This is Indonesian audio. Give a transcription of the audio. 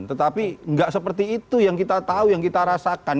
tetapi nggak seperti itu yang kita tahu yang kita rasakan